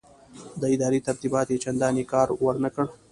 د ادارې ترتیبات یې چنداني کار ورنه کړ.